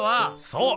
そう！